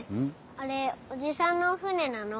あれおじさんのお船なの？